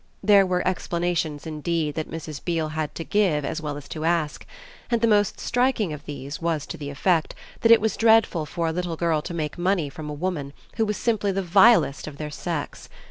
There were explanations indeed that Mrs. Beale had to give as well as to ask, and the most striking of these was to the effect that it was dreadful for a little girl to take money from a woman who was simply the vilest of their sex.